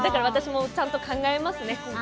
私もちゃんと、考えますね